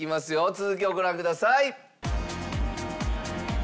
続きをご覧ください。